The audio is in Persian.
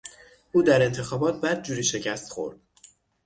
او در انتخابات بدجوری شکست خورد.